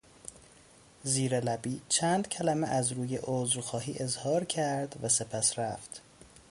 زیر لبی چند کلمه از روی عذر خواهی اظهار کرد و سپس رفت.